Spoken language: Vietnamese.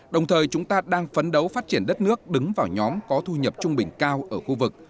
đồng thời chúng ta đang phấn đấu phát triển đất nước đứng vào nhóm có thu nhập trung bình cao ở khu vực